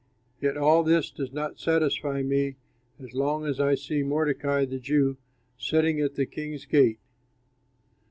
Yet all this does not satisfy me as long as I see Mordecai, the Jew, sitting at the king's gate."